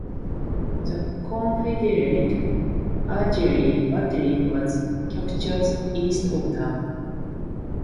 The Confederate artillery battery was captured east of town.